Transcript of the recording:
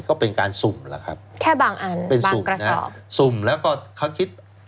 ก็เป็นการซุ่มล่ะครับแค่บางอันบางกระสอบซุ่มแล้วก็เขาคิด